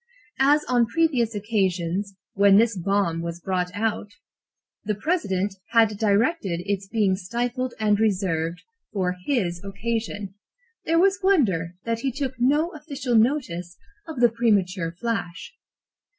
As on previous occasions, when this bomb was brought out, the President had directed its being stifled and reserved for his occasion, there was wonder that he took no official notice of the premature flash.